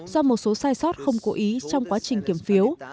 do một số sai sót không cố ý trong quá trình kiểm phiếu